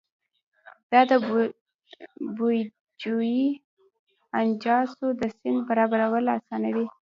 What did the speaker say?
دا د بودیجوي اجناسو د سند برابرول اسانوي.